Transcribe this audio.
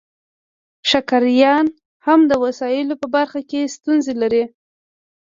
ښکاریان هم د وسایلو په برخه کې ستونزې لري